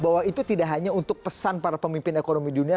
bahwa itu tidak hanya untuk pesan para pemimpin ekonomi dunia